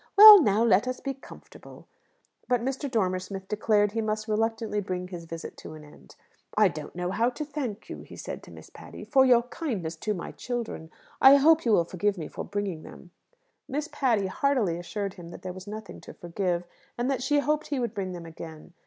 Well, now let us be comfortable." But Mr. Dormer Smith declared he must reluctantly bring his visit to an end. "I don't know how to thank you," said he to Miss Patty, "for your kindness to my children. I hope you will forgive me for bringing them." Miss Patty heartily assured him that there was nothing to forgive, and that she hoped he would bring them again.